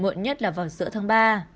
muộn nhất là vào giữa tháng ba